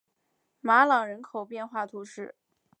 马朗人口变化图示